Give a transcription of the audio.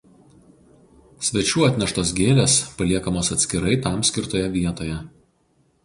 Svečių atneštos gėlės paliekamos atskirai tam skirtoje vietoje.